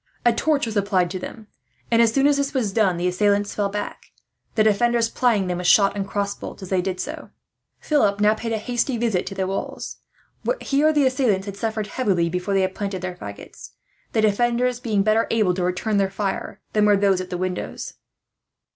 A torch was applied to them and, as soon as this was done, the assailants fell back; the defenders plying them with shot and cross bolts, as soon as they did so. Philip now paid a hasty visit to the walls. Here the assailants had suffered heavily, before they had planted their faggots; the defenders being better able to return their fire than were those at the windows.